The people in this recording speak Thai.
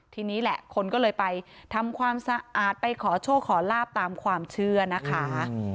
ทีนี้แหละคนก็เลยไปทำความสะอาดไปขอโชคขอลาบตามความเชื่อนะคะ